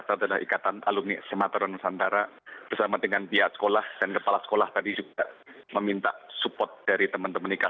saya adalah ikatan alumni semataru nusantara bersama dengan pihak sekolah dan kepala sekolah tadi juga meminta support dari teman teman ika